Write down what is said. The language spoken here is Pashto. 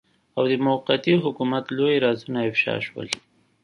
او د موقتي حکومت لوی رازونه افشاء شول.